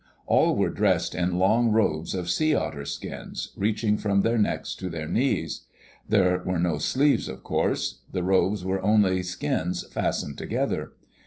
All were dressed in long robes of sea otter skins, reaching from their necks to their knees. There were no sleeves of course. The robes were only skins fastened together.